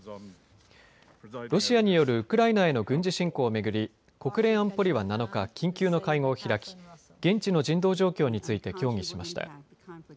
ロシアによるウクライナへの軍事侵攻を巡り国連安保理は７日、緊急の会合を開き、現地の人道状況について協議しました。